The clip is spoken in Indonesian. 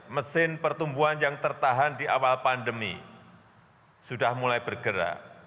mesin pertumbuhan yang tertahan di awal pandemi sudah mulai bergerak